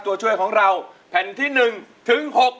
ตัวช่วยของเราแผ่นที่๑ถึง๖๐๐